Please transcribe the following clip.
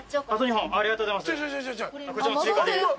ありがとうございます。